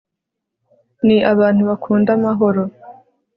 ni abantu bakunda amahoro